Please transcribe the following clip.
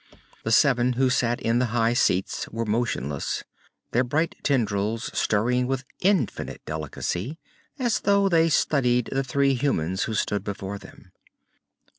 The seven who sat in the high seats were motionless, their bright tendrils stirring with infinite delicacy as though they studied the three humans who stood before them.